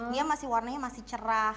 dia masih warnanya masih cerah